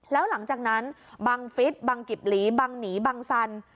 แล้วหลังจากนั้นบังฟิศบังกิบหลีบังหนีบังสัน